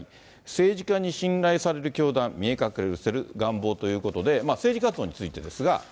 政治家に信頼される教団、見え隠れする願望ということで、政治活動についてですが。